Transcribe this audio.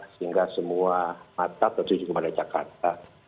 sehingga semua mata tertuju kepada jakarta